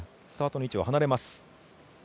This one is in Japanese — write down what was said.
スタートの位置を離れます。